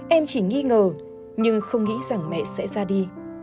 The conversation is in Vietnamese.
em chỉ nghi ngờ nhưng không nghĩ rằng mẹ sẽ ra đi